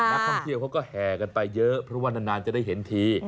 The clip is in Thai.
นักท่องเที่ยวเขาก็แห่กันไปเยอะเพราะว่านานจะได้เห็นที